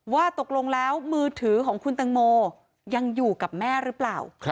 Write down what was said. ว่าตกลงแล้วมือถือของคุณตังโมยังอยู่กับแม่หรือเปล่า